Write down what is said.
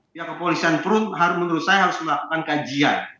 pihak kepolisian pun menurut saya harus melakukan kajian